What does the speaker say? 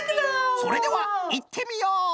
それではいってみよう！